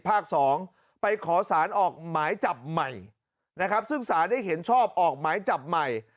ภาค๒ไปขอสารออกหมายจับใหม่นะครับซึ่งสารได้เห็นชอบออกหมายจับใหม่